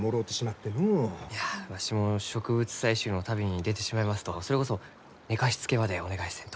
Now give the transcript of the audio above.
いやわしも植物採集の旅に出てしまいますとそれこそ寝かしつけまでお願いせんと。